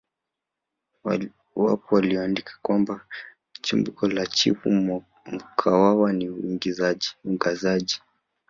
Wapo walioandika kwamba chimbuko la chifu mkwawa ni ungazija